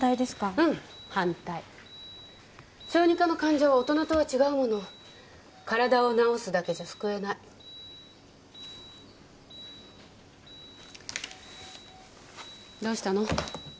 うん反対小児科の患者は大人とは違うもの体を治すだけじゃ救えないどうしたの？